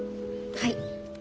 はい。